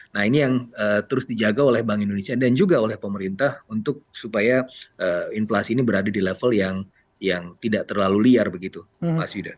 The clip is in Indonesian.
nah ini yang terus dijaga oleh bank indonesia dan juga oleh pemerintah supaya inflasi ini berada di level yang tidak terlalu liar begitu mas yuda